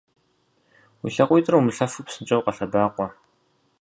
Уи лъакъуитӏыр умылъэфу псынщӏэу къэлъэбакъуэ!